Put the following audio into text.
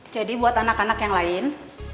jadi buat anak anak yang lain